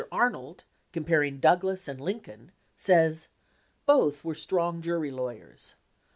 Arnold, comparing Douglas and Lincoln, says: "Both were strong jury lawyers.